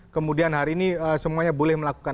kemudian hari ini semuanya boleh melakukan